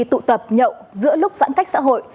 tụ tập nhậu giữa lúc giãn cách xã hội